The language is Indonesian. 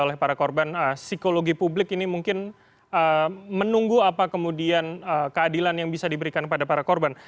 oleh para korban psikologi publik ini mungkin menunggu apa kemudian keadilan yang bisa diberikan kepada para korban